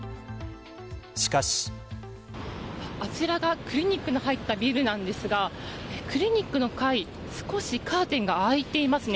あちらがクリニックが入ったビルなんですがクリニックの階少しカーテンが開いていますね。